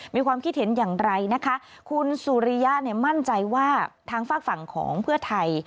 มีความคิดเห็นอย่างไรนะคะคุณสุริยะเนี่ยมั่นใจว่าทางฝากฝั่งของเพื่อไทย